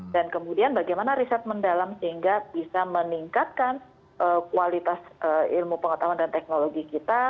dan kemudian bagaimana riset mendalam sehingga bisa meningkatkan kualitas ilmu pengetahuan dan teknologi kita